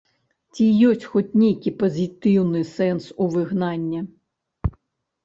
Ці ёсць хоць нейкі пазітыўны сэнс у выгнання?